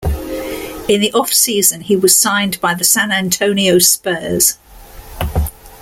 In the offseason he was signed by the San Antonio Spurs.